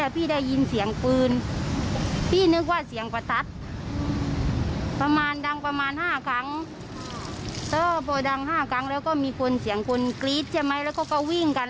พอดังห้ากลางแล้วก็มีคนเสียงคนกรี๊ดแล้วก็ก็วิ่งกัน